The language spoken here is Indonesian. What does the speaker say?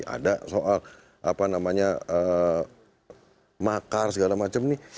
ada soal makar segala macam ini